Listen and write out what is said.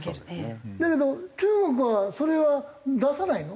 だけど中国はそれは出さないの？